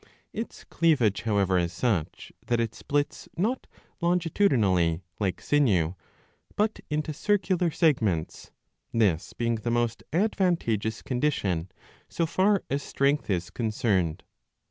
^ Its cleavage however is such that it splits not longitudinally, like sinew, but into circular segments, 664 a. ii. 8— ii. 9. 39 this being the most advantageous condition, so far as strength is concerned.